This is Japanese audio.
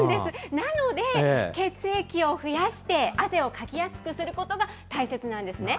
なので、血液を増やして汗をかきやすくすることが大切なんですね。